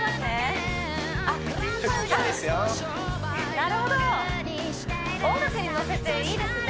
なるほど音楽にのせていいですね